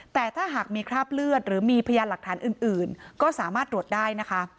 แต่ถ้าหากมีคราบเลือดหรือมีพยานหลักฐานอื่นก็สามารถตรวจได้นะคะ